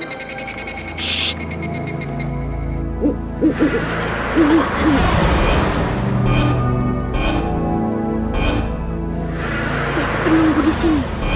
itu penunggu disini